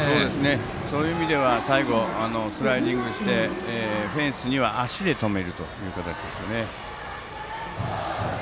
そういう意味では最後スライディングしてフェンスには足で止めるという形ですね。